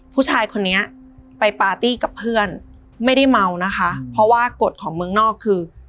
ผู้ชายคนนี้ไปปาร์ตี้กับเพื่อนไม่ได้เมานะคะเพราะว่ากฎของเมืองนอกคือ